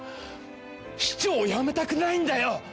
市長を辞めたくないんだよ！